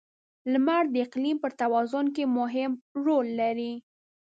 • لمر د اقلیم پر توازن کې مهم رول لري.